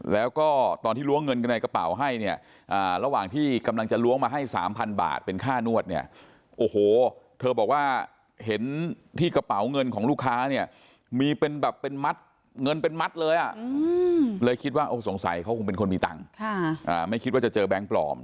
แล้วก็ตอนที่ล้วงเงินกันในกระเป๋าให้เนี่ยระหว่างที่กำลังจะล้วงมาให้๓๐๐บาทเป็นค่านวดเนี่ยโอ้โหเธอบอกว่าเห็นที่กระเป๋าเงินของลูกค้าเนี่ยมีเป็นแบบเป็นมัดเงินเป็นมัดเลยอ่ะเลยคิดว่าสงสัยเขาคงเป็นคนมีตังค์ไม่คิดว่าจะเจอแบงค์ปลอม